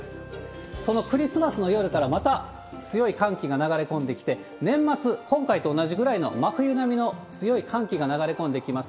そのクリスマスの夜からまた、強い寒気が流れ込んできて、年末、今回と同じぐらいの真冬並みの強い寒気が流れ込んできます。